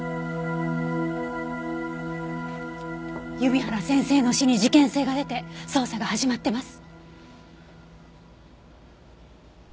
弓原先生の死に事件性が出て捜査が始まってます。